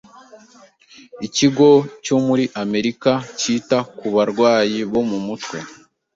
Ikigo cyo muri Amerika Cyita ku Barwayi bo mu Mutwe